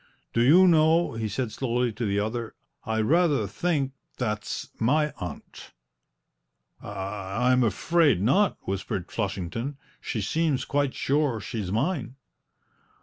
"Do you know," he said slowly to the other, "I rather think that's my aunt!" "I I'm afraid not," whispered Flushington; "she seems quite sure she's mine."